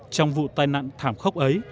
trong vụ tai nạn thảm khốc ấy